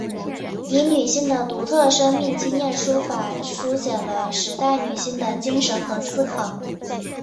以女性的独特生命经验书法抒写了时代女性的精神和思考。